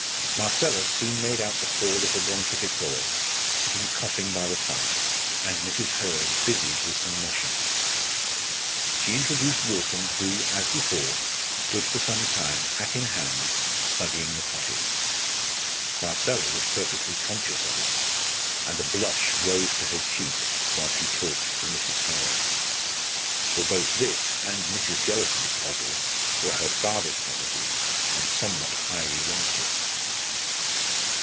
Marcella soon made out the poor little bronchitic boy, sitting coughing by the fire, and Mrs. Hurd busied with some washing. She introduced Wharton, who, as before, stood for some time, hat in hand, studying the cottage. Marcella was perfectly conscious of it, and a blush rose to her cheek while she talked to Mrs. Hurd. For both this and Mrs. Jellison's hovel were her father's property and somewhat highly rented.